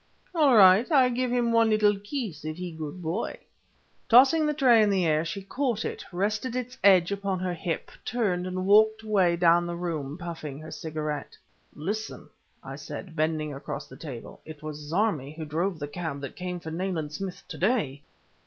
"All right. I give him one little kiss if he good boy!" Tossing the tray in the air she caught it, rested its edge upon her hip, turned, and walked away down the room, puffing her cigarette. "Listen," I said, bending across the table, "it was Zarmi who drove the cab that came for Nayland Smith to day!"